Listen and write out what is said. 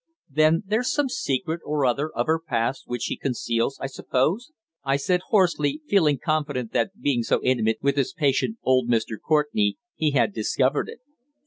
"Then there's some secret or other of her past which she conceals, I suppose?" I said hoarsely, feeling confident that being so intimate with his patient, old Mr. Courtenay, he had discovered it.